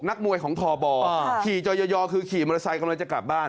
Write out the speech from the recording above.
นักมวยของทบขี่จอยคือขี่มอเตอร์ไซค์กำลังจะกลับบ้าน